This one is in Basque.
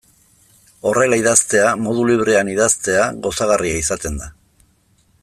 Horrela idaztea, modu librean idaztea, gozagarria izaten da.